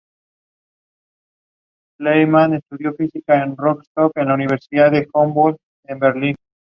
Además de Guabirá en su calidad de campeón nacional defensor.